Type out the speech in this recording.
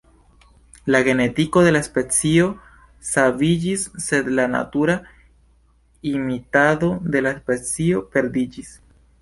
La genetiko de la specio saviĝis, sed la natura imitado de la specio perdiĝis.